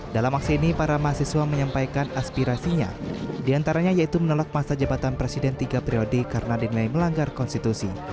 dalam aksi ini para mahasiswa menyampaikan aspirasinya diantaranya yaitu menolak masa jabatan presiden tiga priode karena dinilai melanggar konstitusi